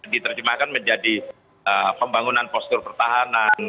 diterjemahkan menjadi pembangunan postur pertahanan